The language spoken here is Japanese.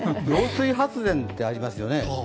揚水発電ってありますよね。